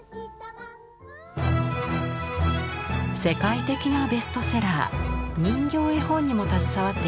世界的なベストセラー「人形絵本」にも携わっています。